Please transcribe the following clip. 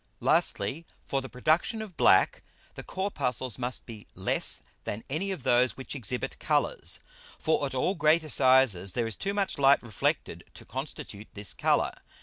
Lastly, for the production of black, the Corpuscles must be less than any of those which exhibit Colours. For at all greater sizes there is too much Light reflected to constitute this Colour.